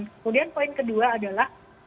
kemudian poin kedua adalah